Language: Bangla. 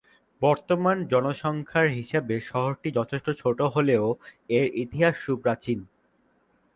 বর্তমান জনসংখ্যার হিসেবে শহরটি যথেষ্ট ছোট হলেও, এর ইতিহাস সুপ্রাচীন।